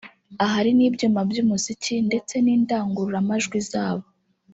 ahari n’ibyuma by’umuziki ndetse n’indangururamajwi zabo